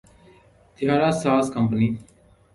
طیارہ ساز کمپنی